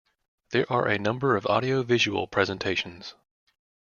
There are a number of audio-visual presentations.